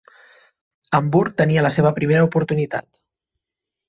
Hamburg tenia la seva primera oportunitat.